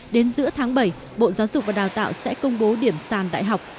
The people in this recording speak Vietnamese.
đến giữa tháng bảy bộ giáo dục và đào tạo sẽ công bố điểm sàn đại học